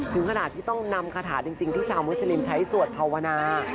ถึงขนาดที่ต้องนำคาถาจริงที่ชาวมุสลิมใช้สวดภาวนา